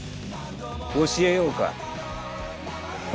教えようかほら